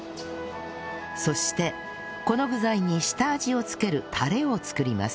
そしてこの具材に下味を付けるタレを作ります